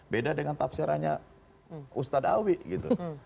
beda dengan tafsirannya ustadz awi gitu